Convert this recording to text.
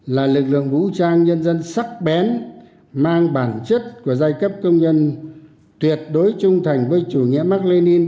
là lực lượng vũ trang nhân dân sắc bén mang bản chất của giai cấp công nhân tuyệt đối trung thành với chủ nghĩa mạc lê ninh